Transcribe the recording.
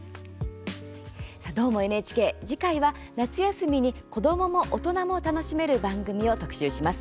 「どーも、ＮＨＫ」次回は夏休みに、子どもも大人も楽しめる番組を特集します。